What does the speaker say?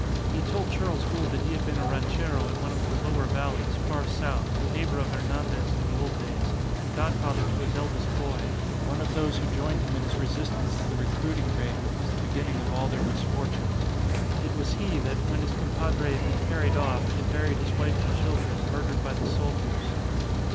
He told Charles Gould that he had been a ranchero in one of the lower valleys, far south, a neighbour of Hernandez in the old days, and godfather to his eldest boy; one of those who joined him in his resistance to the recruiting raid which was the beginning of all their misfortunes. It was he that, when his compadre had been carried off, had buried his wife and children, murdered by the soldiers.